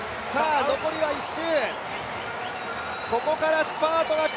残りは１周。